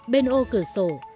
bên ô cửa sổ